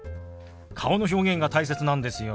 顔の表現が大切なんですよ。